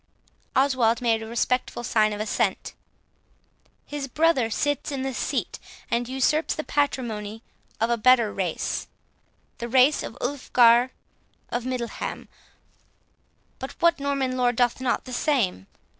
Oswald made a respectful sign of assent. "His brother sits in the seat, and usurps the patrimony, of a better race, the race of Ulfgar of Middleham; but what Norman lord doth not the same?